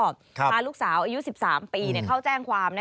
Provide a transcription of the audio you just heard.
พาลูกสาวอายุ๑๓ปีเข้าแจ้งความ